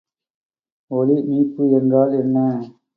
ஒலிமீட்பு என்றால் என்ன?